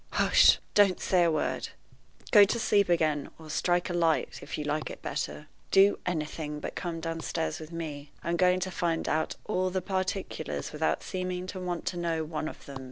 Hush! don't say a word, Go to sleep again, or strike a light, if you like it better. Do anything but come downstairs with me. I'm going to find out all the particulars without seeming to want to know one of them.